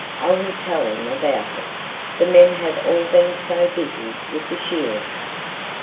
"I will tell him about it. The men have all been so busy with the shearing."